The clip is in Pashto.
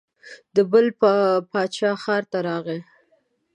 د بل باچا ښار ته راغی.